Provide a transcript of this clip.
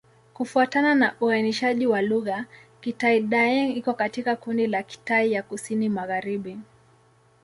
Kufuatana na uainishaji wa lugha, Kitai-Daeng iko katika kundi la Kitai ya Kusini-Magharibi.